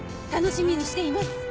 楽しみにしています。